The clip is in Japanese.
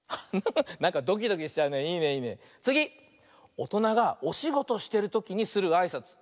おとながおしごとしてるときにするあいさつ。